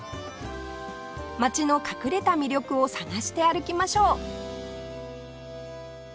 街の隠れた魅力を探して歩きましょう